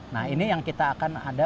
nah ini yang kita akan ada